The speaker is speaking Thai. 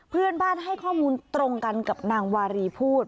เพื่อนบ้านให้ข้อมูลตรงกันกับนางวารีพูด